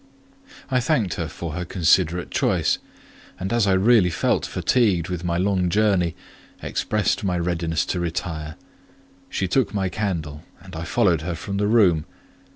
I thanked her for her considerate choice, and as I really felt fatigued with my long journey, expressed my readiness to retire. She took her candle, and I followed her from the room.